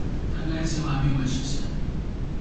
但该计划并未实现。